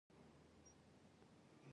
نارنج په جلال اباد کې ډیر دی.